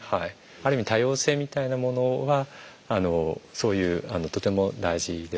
ある意味多様性みたいなものはそういうとても大事ですよね。